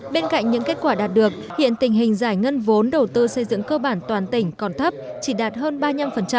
bên cạnh những kết quả đạt được hiện tình hình giải ngân vốn đầu tư xây dựng cơ bản toàn tỉnh còn thấp chỉ đạt hơn ba mươi năm